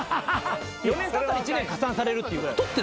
４年たったら１年加算されるっていうぐらい。